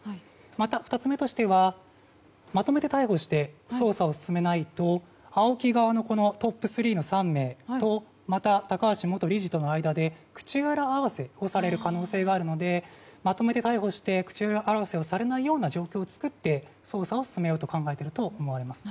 また、２つ目としてはまとめて逮捕して捜査を進めないとＡＯＫＩ側のトップ３の３名とまた高橋元理事との間で口裏合わせをされる可能性があるのでまとめて逮捕して口裏合わせをされないような状況を作って捜査を進めようと考えたものと思われます。